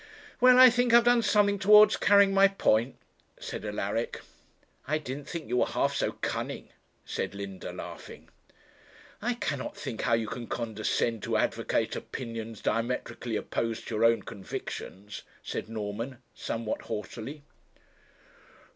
'Well, I think I have done something towards carrying my point,' said Alaric. 'I didn't think you were half so cunning,' said Linda, laughing. 'I cannot think how you can condescend to advocate opinions diametrically opposed to your own convictions,' said Norman, somewhat haughtily.